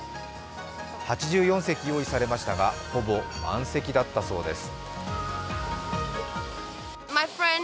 ８４席、用意されましたがほぼ満席だったそうです。